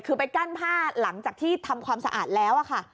คือไปกั้นผ้าหลังจากที่ทำความสะอาดแล้วค่ะ